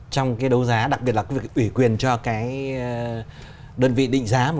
trong đấu giá đặc biệt là ủy quyền cho đơn vị định giá